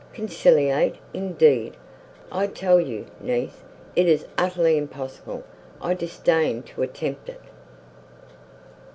"Conciliate indeed! I tell you, niece, it is utterly impossible; I disdain to attempt it."